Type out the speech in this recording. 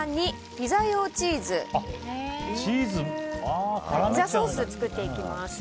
ピザソースを作っていきます。